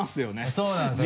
そうなんですよ。